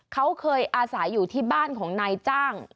เขาเคยอาศัยอยู่ที่บ้านของนายจ้าง